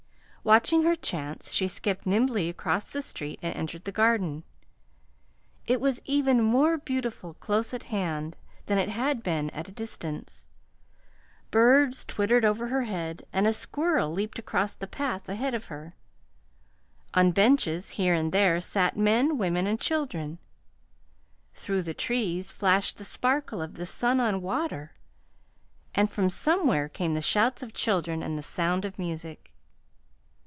Watching her chance she skipped nimbly across the street and entered the Garden. It was even more beautiful close at hand than it had been at a distance. Birds twittered over her head, and a squirrel leaped across the path ahead of her. On benches here and there sat men, women, and children. Through the trees flashed the sparkle of the sun on water; and from somewhere came the shouts of children and the sound of music.